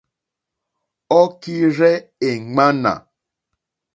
Ɔ́ kírzɛ́ è ŋmánà.